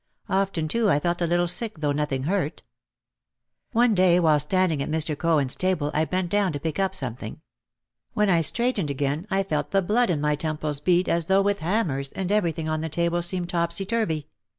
Often too I felt a little sick though nothing hurt. One day while standing at Mr. Cohen's table I bent down to pick up something. When I straightened again I felt the blood in my temples beat as though with hammers and everything on the table seemed topsey turvey.